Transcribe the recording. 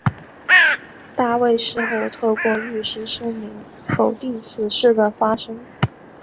大卫事后透过律师声明否定此事的发生。